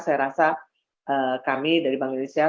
saya rasa kami dari bank indonesia